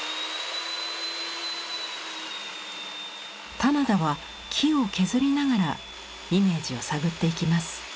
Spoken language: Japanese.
棚田は木を削りながらイメージを探っていきます。